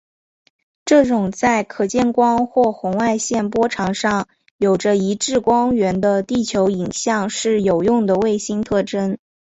这种在可见光或红外线波长上有着一致光源的地球影像是有用的卫星特征。